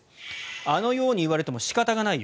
あのように言われても仕方がないよ。